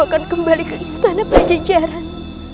akan kembali ke istana pajajaran